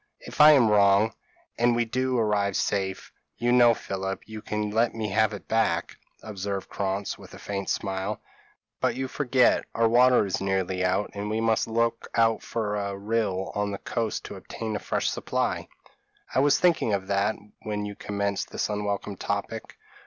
If I am wrong, and we do arrive safe, you know, Philip, you can let me have it back," observed Krantz, with a faint smile "but you forget, our water is nearly out, and we must look out for a rill on the coast to obtain a fresh supply." "I was thinking of that when you commenced this unwelcome topic.